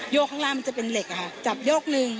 ข้างล่างมันจะเป็นเหล็กอะค่ะจับโยกหนึ่ง